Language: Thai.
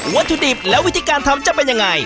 วัตถุดิบและวิธีการทำจะเป็นยังไง